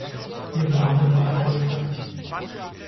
Ihre Arbeit war erfolgreich.